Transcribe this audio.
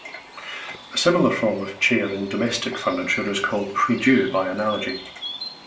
A similar form of chair in domestic furniture is called "prie-dieu" by analogy.